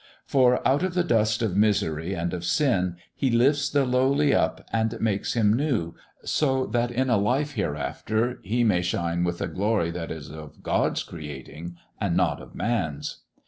For out of the dust of misery and of sin He lifts the lowly up and makes him new so that in a life hereafter he shall shine with a glory that is of God's creating, and not of man's.